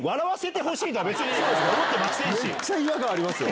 めっちゃ違和感ありますよ。